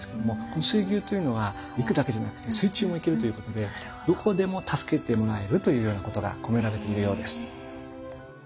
この水牛というのは陸だけじゃなくて水中も行けるということでどこでも助けてもらえるというようなことが込められているようです。